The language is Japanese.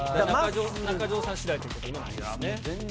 中条さんしだいということになりますね。